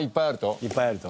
いっぱいあると。